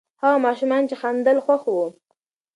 هغه ماشوم چې خندل، خوښ و.